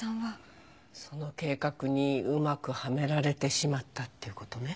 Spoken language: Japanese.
その計画にうまくはめられてしまったってことね。